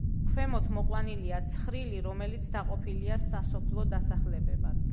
ქვემოთ მოყვანილია ცხრილი, რომელიც დაყოფილია სასოფლო დასახლებებად.